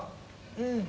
うん。